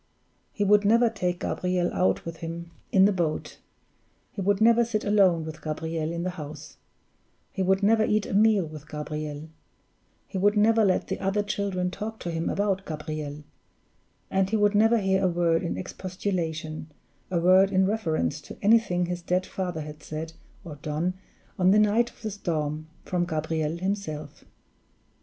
He would never take Gabriel out with him in the boat; he would never sit alone with Gabriel in the house; he would never eat a meal with Gabriel; he would never let the other children talk to him about Gabriel; and he would never hear a word in expostulation, a word in reference to anything his dead father had said or done on the night of the storm, from Gabriel himself.